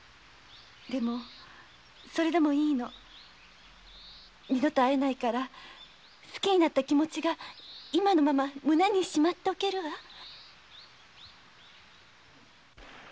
でもそれでもいいの二度と会えないから好きになった気持ちが今のまま胸にしまっておけるわ。